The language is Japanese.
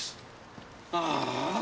ああ！